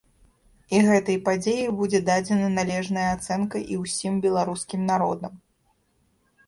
І гэтай падзеі будзе дадзена належная ацэнка і ўсім беларускім народам.